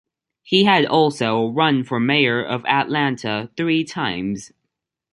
He had also run for mayor of Atlanta three times.